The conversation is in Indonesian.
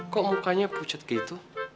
kok mukanya pucat gitu